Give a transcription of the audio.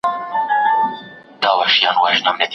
زما یې د شبقدر په ماښام قلم وهلی